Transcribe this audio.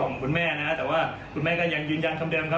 ของคุณแม่นะแต่ว่าคุณแม่ก็ยังยืนยัน